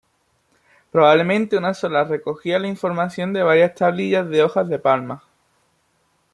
Probablemente una sola recogía la información de varias tablillas de hoja de palma.